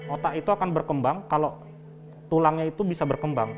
otak itu akan berkembang kalau tulangnya itu bisa berkembang